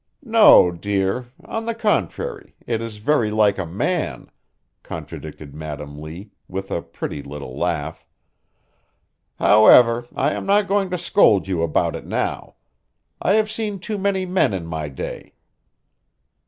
"No, dear. On the contrary it is very like a man," contradicted Madam Lee with a pretty little laugh. "However, I am not going to scold you about it now. I have seen too many men in my day.